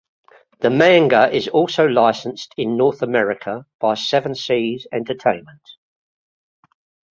The manga is also licensed in North America by Seven Seas Entertainment.